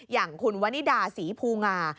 อย่างคุณวนิดาศรีภูงา